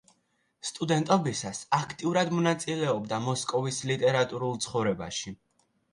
სტუდენტობისას აქტიურად მონაწილეობდა მოსკოვის ლიტერატურულ ცხოვრებაში.